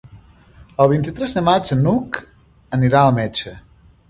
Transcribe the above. El vint-i-tres de maig n'Hug anirà al metge.